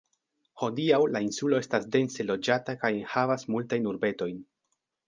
Hodiaŭ la insulo estas dense loĝata kaj enhavas multajn urbetojn.